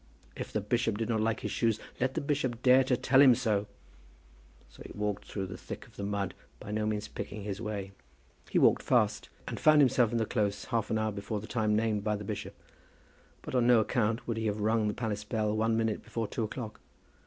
If the bishop did not like his shoes, let the bishop dare to tell him so! So he walked on through the thick of the mud, by no means picking his way. He walked fast, and he found himself in the close half an hour before the time named by the bishop. But on no account would he have rung the palace bell one minute before two o'clock.